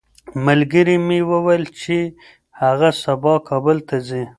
ملګري مې وویل چې هغه سبا کابل ته ځي.